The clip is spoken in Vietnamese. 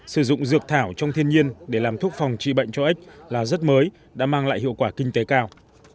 sử dụng dược thảo trong thiên nhiên để làm thuốc phòng trị bệnh cho ếch là rất mới đã mang lại hiệu quả kinh tế cao